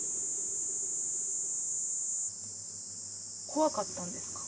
怖かったんですか？